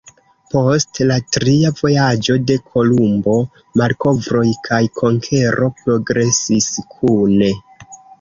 Post la tria vojaĝo de Kolumbo, malkovroj kaj konkero progresis kune.